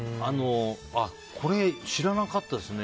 これ知らなかったですね。